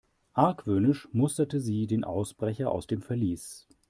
Argwöhnisch musterte sie den Ausbrecher aus dem Verlies.